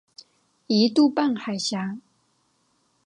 一度半海峡。